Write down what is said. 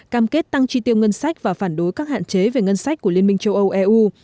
cam kết tăng tri tiêu ngân sách và phản đối các hạn chế về ngân sách của liên minh châu âu eu